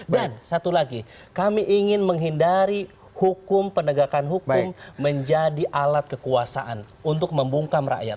dan satu lagi kami ingin menghindari hukum pendegakan hukum menjadi alat kekuasaan untuk membungkam rakyat